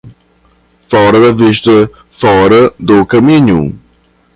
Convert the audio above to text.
Fora da vista, fora do caminho.